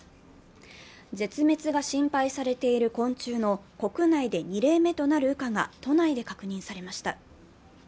絶滅が心配されている昆虫の国内で２例目となる羽化が都内で確認されました。